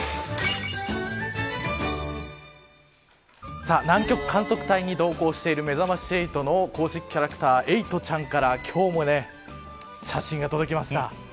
さあ、南極観測隊に同行しているめざまし８の公式キャラクターエイトちゃんから今日も写真が届きました。